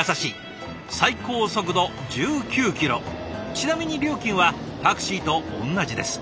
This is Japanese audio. ちなみに料金はタクシーと同じです。